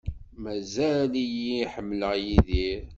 Mazal-iyi ḥemmleɣ Yidir.